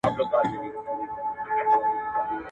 په زندان کي یې آغازي ترانې کړې ,